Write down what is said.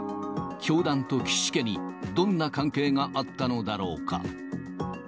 教団と岸家にどんな関係があったのだろうか。